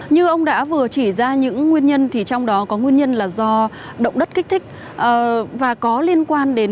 như ông đã vừa chỉ ra những nguyên nhân thì trong đó có nguyên nhân là do động đất kích thích và có liên quan đến